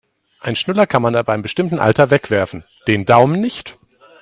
Einen Schnuller kann man ab einem bestimmten Alter wegwerfen, den Daumen nicht.